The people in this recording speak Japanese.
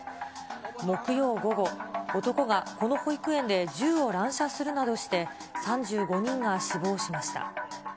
木曜午後、男がこの保育園で銃を乱射するなどして、３５人が死亡しました。